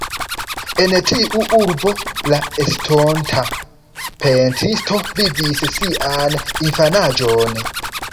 En tiu urbo la estonta pentristo vivis sian infanaĝon.